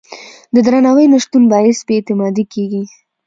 د درناوي نه شتون باعث بې اعتمادي کېږي.